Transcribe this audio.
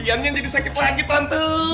iya nih jadi sakit lagi tante